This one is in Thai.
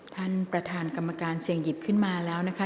ท่านประธานกรรมการเสี่ยงหยิบขึ้นมาแล้วนะคะ